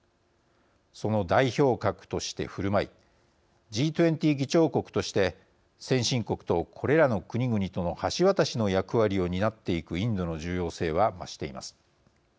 その代表格としてふるまいＧ２０議長国として先進国とこれらの国々との橋渡しの役割を担っていくインドの重要性は増しています。